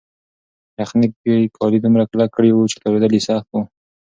یخنۍ کالي دومره کلک کړي وو چې تاوېدل یې سخت وو.